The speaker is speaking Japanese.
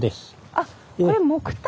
あっこれ木炭。